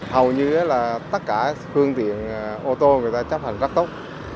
hầu như là tất cả phương tiện ô tô người ta chấp hành rất tốt